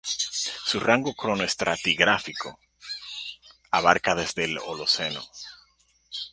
Su rango cronoestratigráfico abarca desde el Holoceno.